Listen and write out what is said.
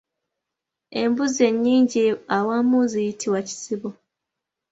Embuzi ennyingi awamu ziyitibwa kisibo.